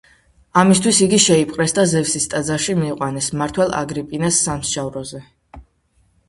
ამისთვის იგი შეიპყრეს და ზევსის ტაძარში მიიყვანეს, მმართველ აგრიპინას სამსჯავროზე.